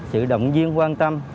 sự động viên quan tâm